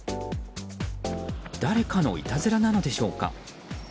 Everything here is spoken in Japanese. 誰かのいたずらなのでしょうか。